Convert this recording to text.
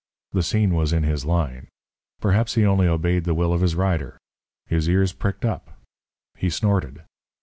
The scene was in his line. Perhaps he only obeyed the will of his rider. His ears pricked up; he snorted.